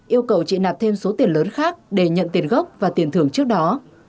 yêu cầu chị nạp thêm số tiền lớn khác để nhận tiền gốc và tiền thưởng trước đó